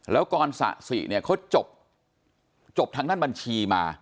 แล้วกรสะสิเนี่ยเขาจบทางด้านบัญชีมา